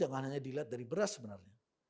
pangan itu jangan hanya dilihat dari beras sebenarnya